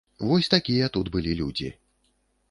Вось такія тут былі людзі.